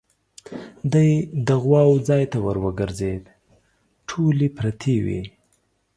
دی د غواوو ځای ته ور وګرځېد، ټولې پرتې وې.